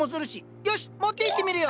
よし持っていってみるよ。